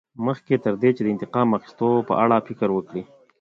مخکې تر دې چې د انتقام اخیستلو په اړه فکر وکړې.